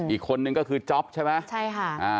อีกคนนึงก็คือจ๊อปใช่ไหมใช่ค่ะอ่า